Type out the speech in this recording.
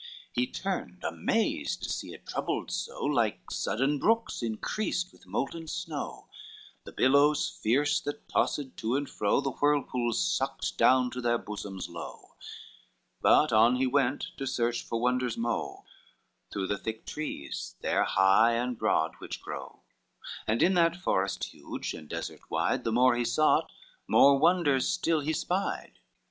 XXII He turned, amazed to see it troubled so, Like sudden brooks increased with molten snow, The billows fierce that tossed to and fro, The whirlpools sucked down to their bosoms low; But on he went to search for wonders mo, Through the thick trees there high and broad which grow, And in that forest huge and desert wide, The more he sought, more wonders still he spied.